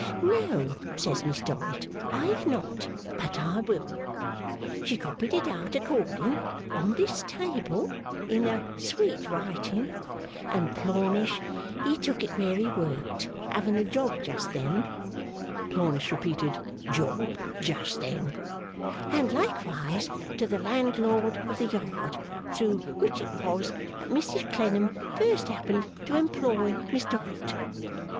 No, says Miss Dorrit, I have not, but I will. She copied it out according, on this table, in a sweet writing, and Plornish, he took it where he worked, having a job just then,' (Plornish repeated job just then,) 'and likewise to the landlord of the Yard; through which it was that Mrs Clennam first happened to employ Miss Dorrit.